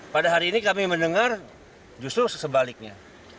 pada hari ini kami mendengar justru sesebaliknya